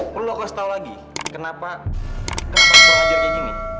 lu lokas tau lagi kenapa kenapa aku kurang ajar kayak gini